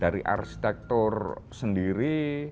dari arsitektur sendiri